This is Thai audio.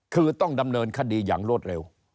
คือต้องดำเนินคดีอย่างรวดเร็ว